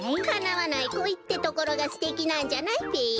かなわないこいってところがすてきなんじゃないべ！